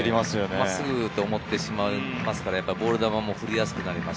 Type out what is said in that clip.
真っすぐと思ってしまいますから、ボール球も振りやすくなります。